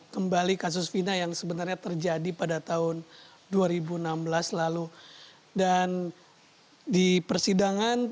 kembali kasus fina yang sebenarnya terjadi pada tahun dua ribu enam belas lalu dan di persidangan